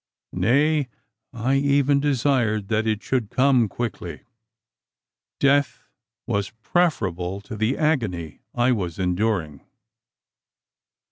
Nay, I even desired that it should come quickly. Death was preferable to the agony I was enduring.